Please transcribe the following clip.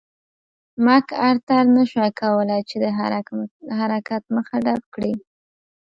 مک ارتر نه شوای کولای چې د حرکت مخه ډپ کړي.